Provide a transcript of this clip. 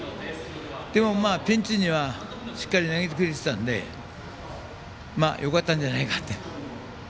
でもピンチにはしっかり投げてくれてたのでよかったんじゃないかなと。